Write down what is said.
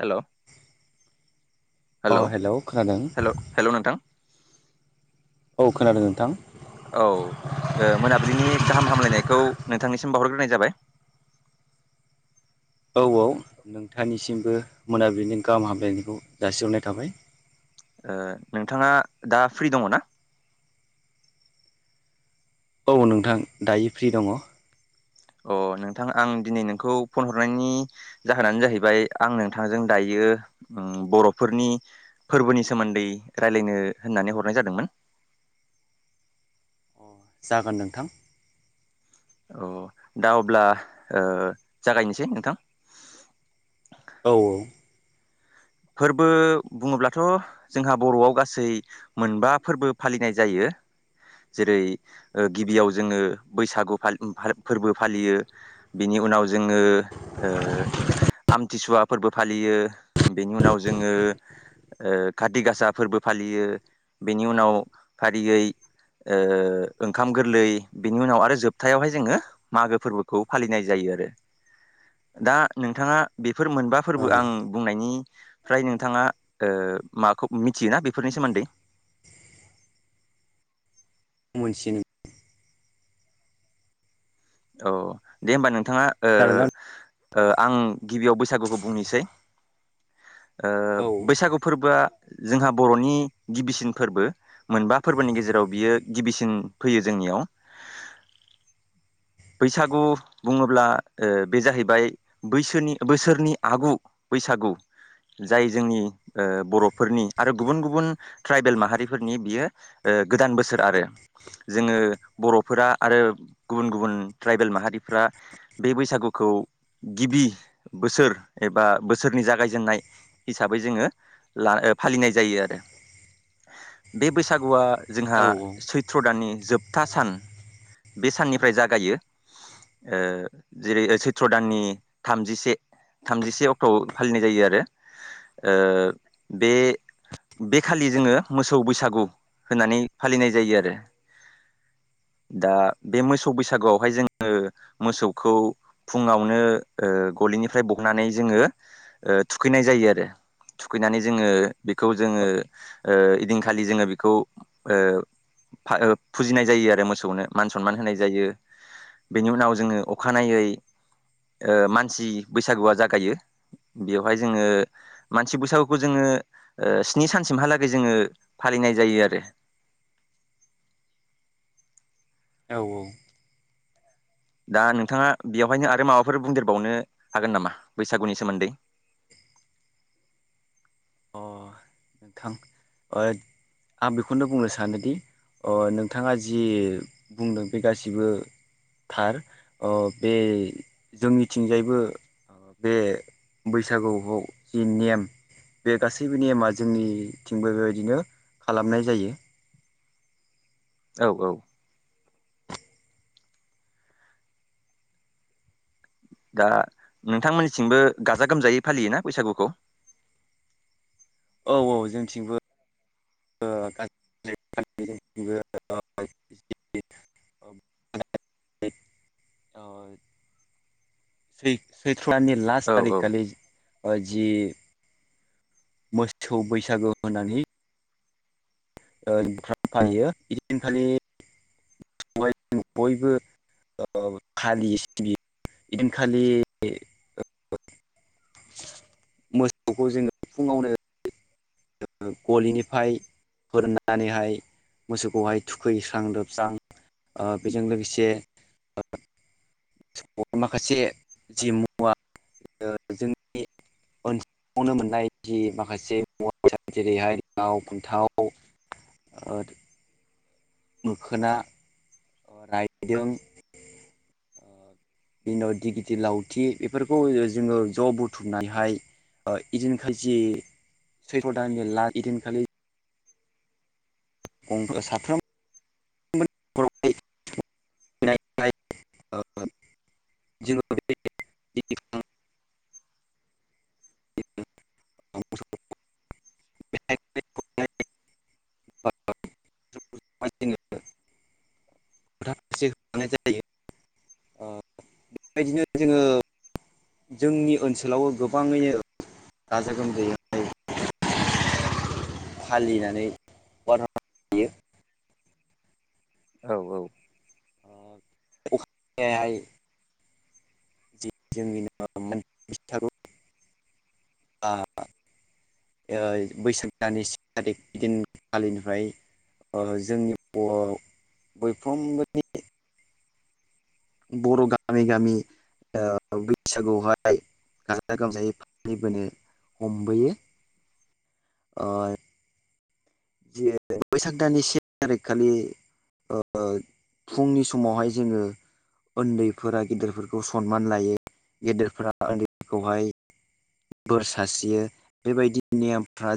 Hello अ hello खोनादों hello hello नोंथां औ खोनादों नोंथां औ मोनाबिलिनि गाहाम हामलायनायखौ नोंथांनिसिम बावहरग्रोनाय जाबाय औ औ नोंथांनिसिमबो मोनाबिलिनि गाहाम हामलायनायखौ जासिहरनाय थाबाय नोंथाङा दा फ्रि दङ ना औ नोंथां दायो फ्रि दङ अ नोंथां आं दिनै नोंखौ फन हरनायनि जाहोनानो जाहैबाय आं नोंथांजों दायो बर'फोरनि फोरबोनि सोमोन्दै राय्लायनो होननानै हरनाय जादोंमोन [inaudible] अ जागोन नोंथां औ दा अब्ला ओ जागायनोसै नोंथां औ फोरबो बुङोब्लाथ' जोंहा बर'आव गासै मोनबा फोरबो फालिनाय जायो जेरै गिबियाव जोङो बैसागुलि फोरबो फालियो बिनि नि उनाव जोङो आमथिसुवा फोरबो फालियो बेनि उनाव जोङो खाार्ति गासा फोरबो फालियो बेनि उनाव फारियै ओंखाम गोरलै बिनि उनाव आरो जोबथायावहाय जोङो मागो फोरबोखौ फालिनाय जायो आरो दा नोंथाङा बेफोर मोनबा औ फोरबो आं बुंनायनि फ्राय नोंथाङा माबाखौ मिथियोना बेफोरनि सोमोन्दै [inaudible] [unintelligible] औ दे होमबा नोंथाङा ओ खोनादोंना आं गिबियाव बैसागुखौ बुंनोसै ओ औ बैसागु फोरबोआ जोंहा बर'नि गिबिसिन फोरबो मोनबा फोरबोनि गेजेराव बियो गिबिसिन फैयो जोंनि याव बैसागु बुङोब्ला बे जाहैबाय बैसोनि बोसोरनि आगु बैसागु गु जाय जोंनि ओ बर'फोरनि आरो गुबुन गुबुन ट्राइबेल माहारिफोरनि बियो ओ ओ गोदान बोसोर आरो जोङो बर'फोरा आरो गुबुन गुबुन ट्राइबेल माहारिफ्रा बे बैसागुखौ गिबि बोसोर बा बोसोरनि जागायजेननाय हिसाबै जोङो ला फालिनाय जायो आरो बे बैसागुआ जोंहा सैथ्र' दाननि जोबथा सान बे साननिफ्राय जागायो ओ जेरै सैत्र दाननि थामजिसे थामजिसे अक्ट'आव फालिनाय जायो आरो ओ बे बे खालि जोङो मोसौ बैसागु होननानै फालिनाय जायो आरो दा बे मोस बैसागुआवहाय जोङो मोसौखौ फुङावनो ओ गलिनिफ्राय बनानै जो जोङो थुखैनाय जायो आरो थुखैनानै जोङो बेखौ जोङो ओ इदिनखालि जोङो बेखौ ओ हा ओ फुजिनाय जायो आरो मोसौनो मान सनमान होनाय जायो बेनि उनाव जोङो अखानायै ओ मानसि बैसागुआ जागायो‌। बेवहाय जोङो मानसि बैसागुखौ जोङो ओ स्नि सानसिमहालागै जोङो फालि नाय जायो आरो। औ औ। दा नोंथाङा बेवहायनो आरो माबाफोर बुंदेरबावनो हागोन नामा बैसागुनि सोमोन्दै? [inaudible] अ [inaudible] नोंथां औत आं बेखौनो बुंनो सानोदि अ नोंथाङा जि बुंदों बे गासिबो थार अ बे जोंनिथिंजायबो बे बैसागुखौ जि नेम बे गासैबो नेमा जोंनिथिंबो बेबायदिनो खालामनाय जायो। औ औ। दा नोंथांमोननिसिमबो गाजा गोमजायै फालियोना बैसागुखौ? [inaudible] औ औ जोंथिंबो। [unintelligible] [unintelligible] [unintelligible] सुनानि लास्ट औ थारिख औ खालि जि मोसौ बैसागो होननानै ओ फालियो हिदिनखालि बाय बयबो ओ फालियो सिबियो। इदिन खालि [inaudible] मोसौखौ जोङो फुङावनो गलिनिफाय हरननानैहाय मोसौखौहाय थुखैस्रां लोबस्रां ओ बेजों लोगोसे बुहुत माखासे जि मुवा ओ जोंनि ओनसोलावनो मोननाय जि माखासे म जेरैहाय लाव फान्थाव [unintelligible] मोखोना रायदों बिनि उनाव दिगिदि लावथि बेफोरखौ जोङो ज' बुथुमनानैहाय इदिनखाजि सैथ्र' दाननि लास इदिनखालि गंफ्रोम साफ्रोम [unintelligible] [unintelligible] [unintelligible] [unintelligible] [unintelligible] [inaudible] [unintelligible] ओ बेबायदिनो जोङो जोंनि ओनसोलावबो गोबाङैनो गाजा गोमजायै फालिनानै बारलां होयो। औ औ। ओ [unintelligible] जोंनि [unintelligible] ओ बैसाग दाननि से थारिख दिनखालिनिफ्राय ओ जोंनि बर'आव बयफ्रोमबोनि बर' गामि-गामि ओ बैसागुआवहाय गाजा गोमजायै फालिबोनो हमबोयो ओ जि बैसाग दानि से थारिख खालि ओ फुंनि समावहाय जोङो उन्दैफोरा गेदेरफोरखौ सनमान लायो गेदेरफोरा उन्दैफोरखौहाय बोर सारस्रियो बेबायदि नेमफ्रा